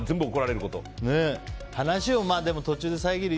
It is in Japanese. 話を途中で遮る。